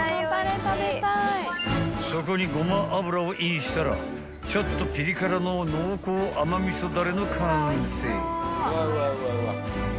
［そこにごま油をインしたらちょっとピリ辛の濃厚甘味噌だれの完成］